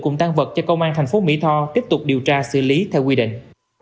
cùng tan vật cho công an thành phố mỹ tho tiếp tục điều tra xử lý theo quy định